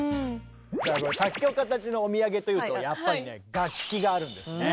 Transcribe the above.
さあ作曲家たちのお土産というとやっぱりね楽器があるんですね。